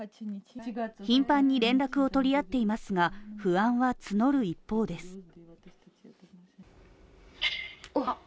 頻繁に連絡を取り合っていますが不安は募る一方です。